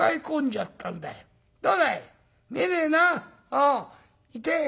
「ああ。痛え」。